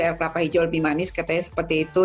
air kelapa hijau lebih manis katanya seperti itu